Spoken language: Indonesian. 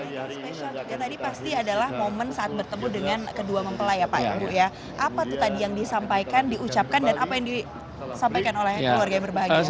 ya tadi pasti adalah momen saat bertemu dengan kedua mempelai ya pak ibu ya apa tuh tadi yang disampaikan diucapkan dan apa yang disampaikan oleh keluarga yang berbahagia juga